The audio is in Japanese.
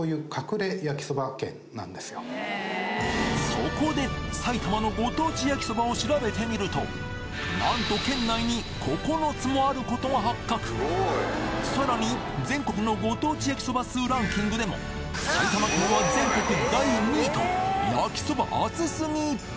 そこで埼玉のご当地焼きそばを調べてみるとなんともある事が発覚さらに全国のご当地焼きそば数ランキングでも埼玉県は全国第２位と焼きそば熱すぎ！